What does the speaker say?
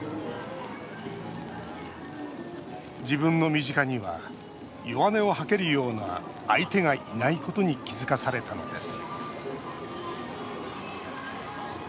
自分の身近には弱音を吐けるような相手がいないことに気付かされたのです